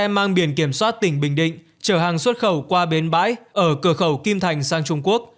mang biển kiểm soát tỉnh bình định trở hàng xuất khẩu qua bến bãi ở cửa khẩu kim thành sang trung quốc